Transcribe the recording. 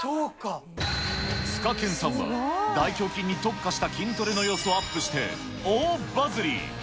ツカケンさんは大胸筋に特化した筋トレの様子をアップして、大バズり。